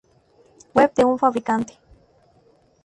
Web de un fabricante